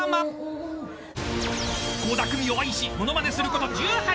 ［倖田來未を愛しモノマネすること１８年］